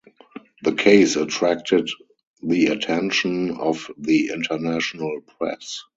The case attracted the attention of the international press.